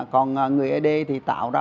còn người ấy đế thì tạo ra